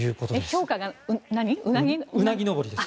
評価がうなぎ登り？